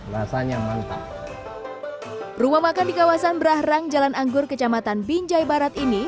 rasanya mantap rumah makan di kawasan berah rang jalan anggur kecamatan binjai barat ini